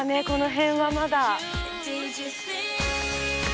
この辺はまだ。